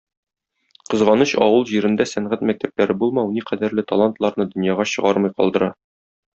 Кызганыч, авыл җирендә сәнгать мәктәпләре булмау никадәрле талантларны дөньяга чыгармый калдыра.